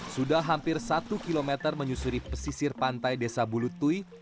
sudah hampir satu km menyusuri pesisir pantai desa bulutui